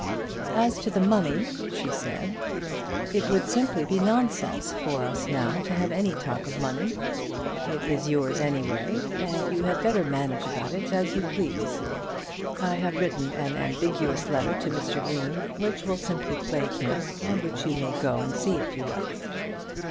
"As to the money," she said, "it would be simply nonsense now for us to have any talk of money. It is yours in any way, and you had better manage about it as you please. I have written an ambiguous letter to Mr. Green, which will simply plague him, and which you may go and see if you like."